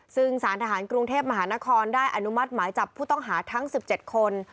ซึ่งสารทหารกรุงเทพมหานครได้อนุมัติหมายจับผู้ต้องหาทั้ง๑๗คน